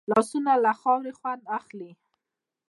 لاسونه له خاورې خوند اخلي